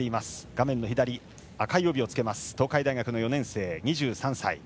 画面の左、赤い帯を着けます東海大学の４年生２３歳。